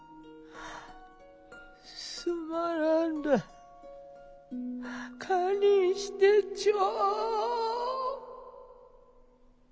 すまなんだ堪忍してちょう。